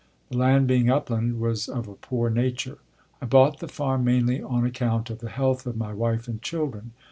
The land being upland was of a poor nature. I bought the farm mainly on account of the health of my wife and children.